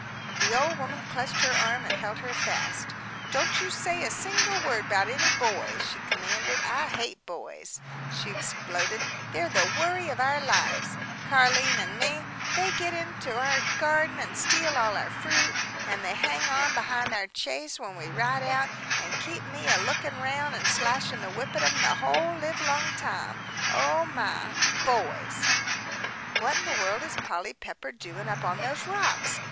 The old woman clutched her arm and held her fast. "Don't you say a single word about any boys," she commanded. "I hate boys," she exploded, "they're the worry of our lives, Car'line and mine, they get into our garden, and steal all our fruit, and they hang on behind our chaise when we ride out, and keep me a lookin' round an' slashin' the whip at 'em the whole livelong time; O my boys!" "What in the world is Polly Pepper doing up on those rocks?"